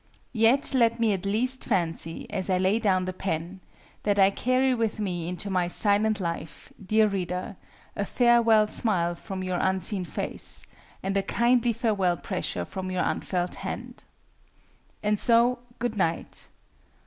Yet let me at least fancy, as I lay down the pen, that I carry with me into my silent life, dear reader, a farewell smile from your unseen face, and a kindly farewell pressure from your unfelt hand! And so, good night!